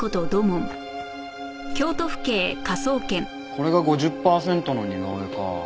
これが５０パーセントの似顔絵かあ。